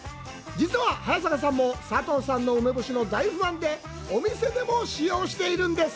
実は、早坂さんも佐藤さんの梅干しの大ファンで、お店でも使用しています。